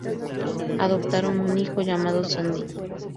Adoptaron un hijo, llamado Sandy.